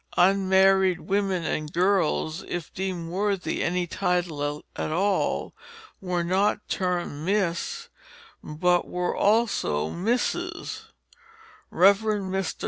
Unmarried women and girls, if deemed worthy any title at all, were not termed Miss, but were also Mrs. Rev. Mr.